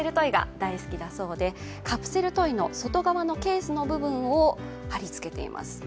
カプセルトイの外側のケースの部分を貼りつけています。